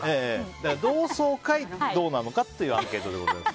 同窓会どうなのかっていうアンケートでございます。